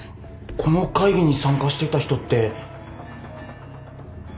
この会議に参加してた人って。